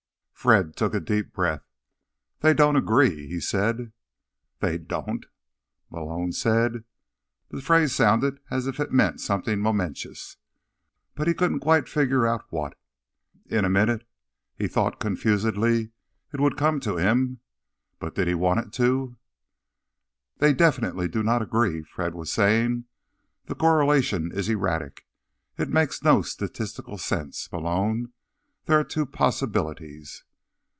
Fred took a deep breath. "They don't agree," he said. "They don't?" Malone said. The phrase sounded as if it meant something momentous, but he couldn't quite figure out what. In a minute, he thought confusedly, it would come to him. But did he want it to? "They definitely do not agree," Fred was saying. "The correlation is erratic; it makes no statistical sense. Malone, there are two possibilities."